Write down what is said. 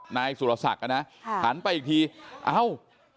นายสุรศักดิ์นะหันไปอีกทีเอ้า